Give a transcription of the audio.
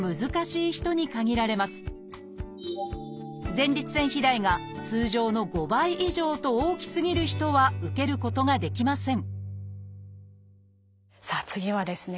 前立腺肥大が通常の５倍以上と大きすぎる人は受けることができませんさあ次はですね